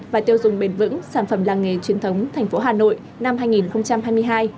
và tiêu dùng bền vững sản phẩm làng nghề truyền thống thành phố hà nội năm hai nghìn hai mươi hai